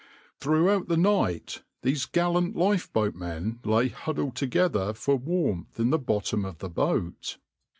\par Throughout the night these gallant lifeboatmen lay huddled together for warmth in the bottom of the boat.